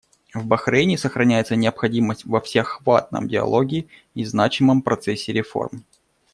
В Бахрейне сохраняется необходимость во всеохватном диалоге и значимом процессе реформ.